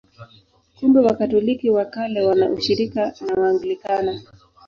Kumbe Wakatoliki wa Kale wana ushirika na Waanglikana.